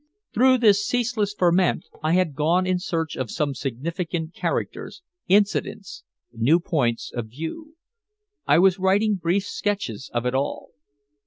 Through this ceaseless ferment I had gone in search of significant characters, incidents, new points of view. I was writing brief sketches of it all.